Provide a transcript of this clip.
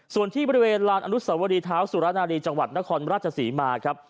ส่วนที่บริเวณลานอนุสวรีเท้าสุรนารีจังหวัดนครราชศรีมาครับ